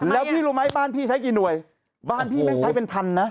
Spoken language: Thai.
แล้วพี่รู้ไหมบ้านพี่ใช้กี่หน่วยบ้านพี่แม่งใช้เป็นพันนะ